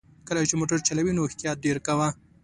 کله چې موټر چلوې نو احتياط ډېر کوه!